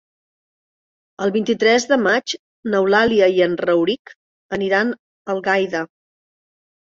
El vint-i-tres de maig n'Eulàlia i en Rauric aniran a Algaida.